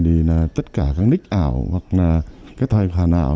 thì là tất cả các nick ảo hoặc là cái tài khoản ảo